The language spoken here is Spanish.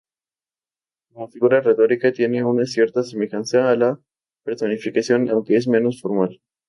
Como figura retórica, tiene una cierta semejanza a la personificación, aunque es menos formal.